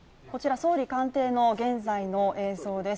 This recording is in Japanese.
総理官邸の現在の映像です。